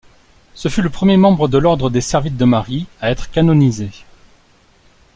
Ce fut le premier membre de l'Ordre des Servites de Marie à être canonisé.